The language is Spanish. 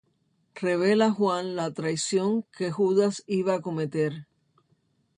Revela a Juan la traición que Judas iba a cometer.